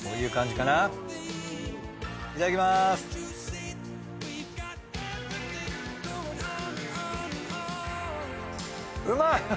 うまい！